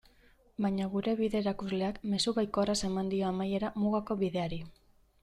Baina gure bide-erakusleak mezu baikorraz eman dio amaiera Mugako Bideari.